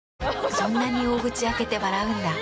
そんなに大口開けて笑うんだ。